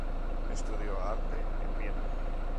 Estudió arte en Viena.